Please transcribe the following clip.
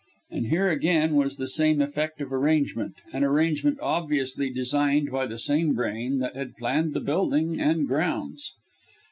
And here again was the same effect of arrangement an arrangement obviously designed by the same brain that had planned the building and grounds.